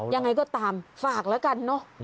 ยังไงก็ตามฝากแล้วกันเนอะ